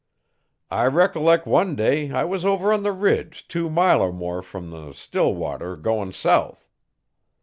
I recollec' one day I was over on the ridge two mile er more from the Stillwater goin' south.